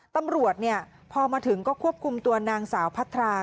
ตำรวจพอมาถึงก็ควบคุมตัวนางสาวพัทรา